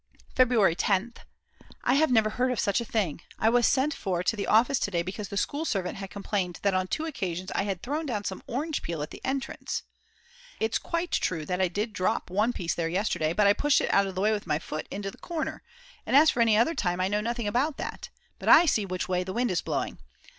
February 10th. I never heard of such a thing! I was sent for to the office to day because the school servant had complained that on two occasions I had thrown down some orange peel at the entrance. It's quite true that I did drop one piece there yesterday, but I pushed it out of the way with my foot into the corner, and as for any other time I know nothing about it. But I see which way the wind is blowing.